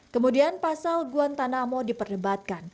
kemudian pasal guantanamo diperdebatkan